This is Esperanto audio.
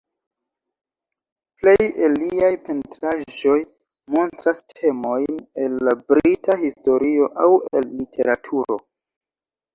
Plej el liaj pentraĵoj montras temojn el la Brita historio, aŭ el literaturo.